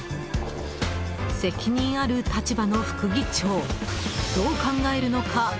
責任ある立場の副議長どう考えるのか。